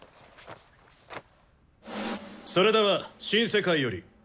それでは「新世界より」